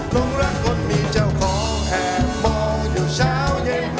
ลงรักคนมีเจ้าของแอบมองอยู่เช้าเย็น